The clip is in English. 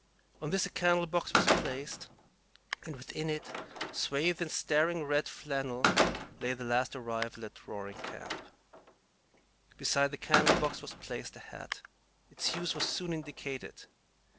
On this a candle box was placed, and within it, swathed in staring red flannel, lay the last arrival at Roaring Camp. Beside the candle box was placed a hat. Its use was soon indicated.